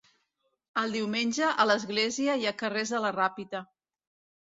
El diumenge, a l'església i a carrers de la Ràpita.